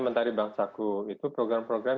mentari bangsaku itu program program